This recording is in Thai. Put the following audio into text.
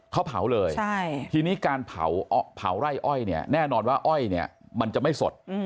เขาเผาเลยทีนี้การเผาไร่อ้อยเนี่ยแน่นอนว่าอ้อยเนี่ยมันจะไม่สด